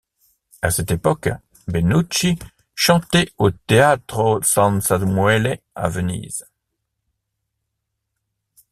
À cette époque, Benucci chantait au Teatro San Samuele à Venise.